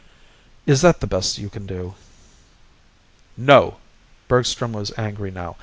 "Is that the best you can do?" "No." Bergstrom was angry now.